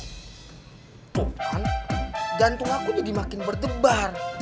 tuh kan gantung aku jadi makin berdebar